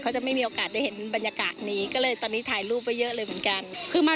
จะไม่มีโอกาสได้เห็นบรรยากาศนี้ก็เลยตอนนี้ถ่ายรูปไว้เยอะเลยเหมือนกันคือมา